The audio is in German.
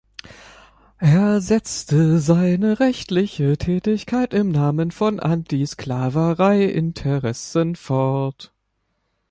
Er setzte seine rechtliche Tätigkeit im Namen von Anti-Sklaverei-Interessen fort.